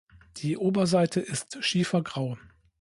Die Oberseite ist schiefergrau.